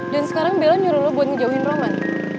dan sekarang belan nyuruh lu buat ngejauhin roman